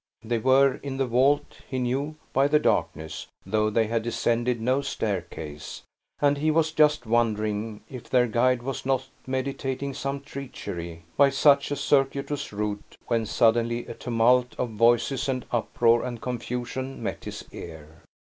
They were in the vault, he knew, by the darkness, though they had descended no staircase, and he was just wondering if their guide was not meditating some treachery by such a circuitous route, when suddenly a tumult of voices, and uproar, and confusion, met his ear.